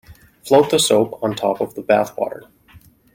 Float the soap on top of the bath water.